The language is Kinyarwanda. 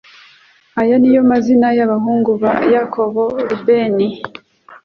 aya ni yo mazina y abahungu ba yakobo rubeni